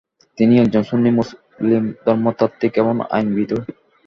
তিনি একজন সুন্নি মুসলিম ধর্মতাত্ত্বিক এবং আইনবিদও।